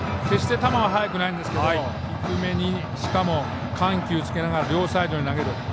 決して球は速くないですが低めに、しかも緩急をつけながら両サイドに投げる。